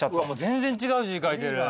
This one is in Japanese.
全然違う字書いてる。